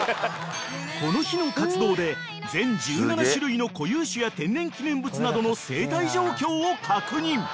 ［この日の活動で全１７種類の固有種や天然記念物などの生態状況を確認］